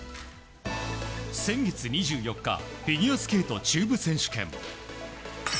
先月２４日フィギュアスケート中部選手権。